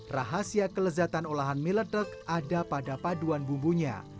rahasia kelezatan olahan mie ledek ada pada paduan bumbunya